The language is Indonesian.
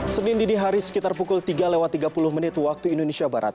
senin dini hari sekitar pukul tiga lewat tiga puluh menit waktu indonesia barat